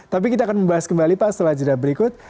tapi kita akan membahas kembali pak setelah jeda berikut